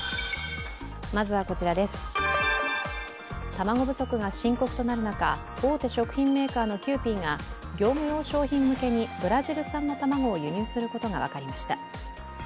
卵不足が深刻となる中大手食品メーカーのキユーピーが業務用商品向けにブラジル産の卵を輸入することが分かりました。